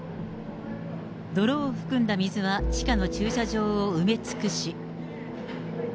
泥を含んだ水は地下の駐車場を埋め尽くし。